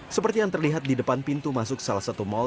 seperti yang terlihat di depan pintu masuk salah satu mall